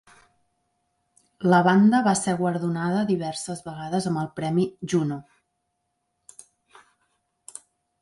La banda va ser guardonada diverses vegades amb el Premi Juno.